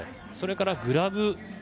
それからグラブ。